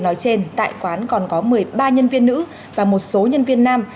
nói trên tại quán còn có một mươi ba nhân viên nữ và một số nhân viên nam